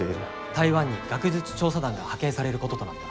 台湾に学術調査団が派遣されることとなった。